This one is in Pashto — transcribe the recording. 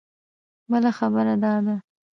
بله خبره دا ده.